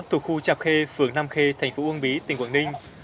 thuộc khu chạp khê phường nam khê tp uông bí tỉnh quảng ninh